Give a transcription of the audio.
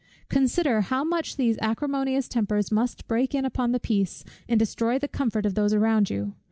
Consider how much these acrimonious tempers must break in upon the peace, and destroy the comfort, of those around you.